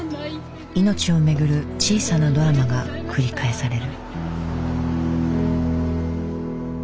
命を巡る小さなドラマが繰り返される。